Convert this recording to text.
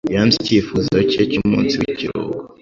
Yanze icyifuzo cye cy'umunsi w'ikiruhuko.